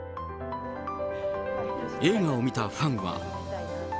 映画を見たファンは。